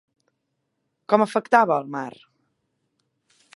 Com afectava el mar?